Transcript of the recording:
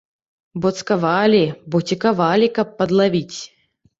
Бо цкавалі, бо цікавалі, каб падлавіць.